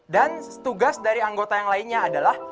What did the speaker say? dan tugas dari anggota yang lainnya adalah